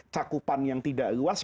cakupan yang tidak luas